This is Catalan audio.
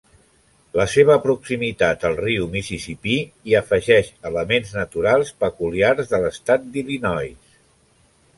La seva proximitat al riu Mississipí hi afegeix elements naturals peculiars de l'estat d'Illinois.